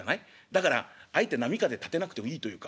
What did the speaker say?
だからあえて波風立てなくていいというか」。